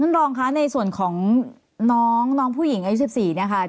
ค่ะ้อนันรองแล้วในส่วนของน้องผู้หญิงมูลอายุ๑๔นะคะ